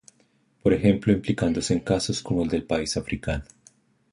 Por ejemplo implicándose en casos como el del país africano.